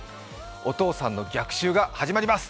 お父さんの逆襲が始まります。